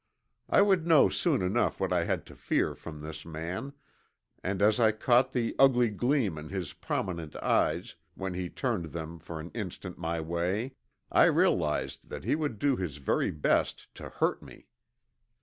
I would know soon enough what I had to fear from this man, and as I caught the ugly gleam in his prominent eyes when he turned them for an instant my way I realized that he would do his very best to hurt me.